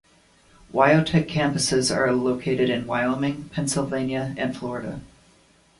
WyoTech campuses are located in Wyoming, Pennsylvania and Florida.